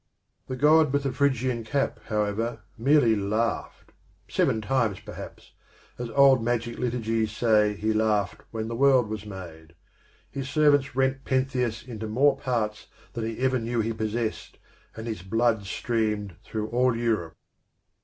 The God with the Phrygian cap, however, merely laughed, seven times perhaps, as old magic liturgies say he laughed when the world was made ; his servants rent Pentheus into more parts than he ever knew he possessed, and his blood streamed through all Europe.